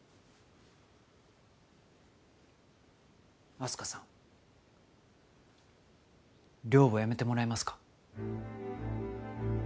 あす花さん寮母やめてもらえますか？